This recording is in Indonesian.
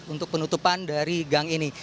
untuk penutupan dari gang ini